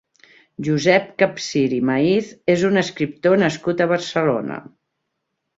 Josep Capsir i Maíz és un escriptor nascut a Barcelona.